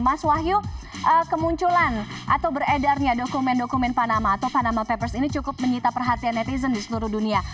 mas wahyu kemunculan atau beredarnya dokumen dokumen panama atau panama papers ini cukup menyita perhatian netizen di seluruh dunia